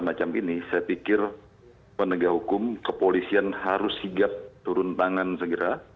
saya pikir penegak hukum kepolisian harus sigap turun tangan segera